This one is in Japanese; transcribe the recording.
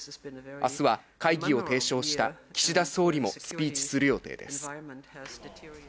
明日は会議を提唱した岸田総理もスピーチする予定です。